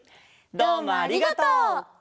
どうもありがとう！